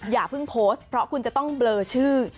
อย่าเพิ่งโพสต์เพราะคุณจะต้องเบลอชื่อ